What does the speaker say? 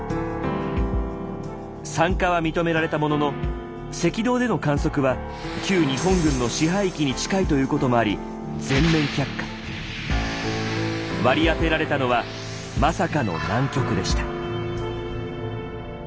参加は認められたものの赤道での観測は旧日本軍の支配域に近いということもあり割り当てられたのはまさかの南極でした。